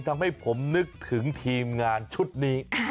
ทำให้ผมนึกถึงทีมงานชุดนี้